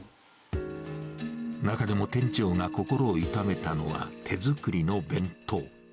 中でも店長が心を痛めたのは、手作りの弁当。